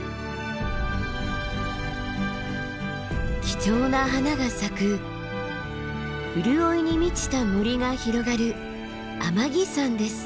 貴重な花が咲く潤いに満ちた森が広がる天城山です。